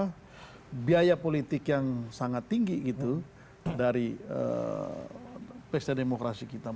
karena biaya politik yang sangat tinggi gitu dari pesta demokrasi kita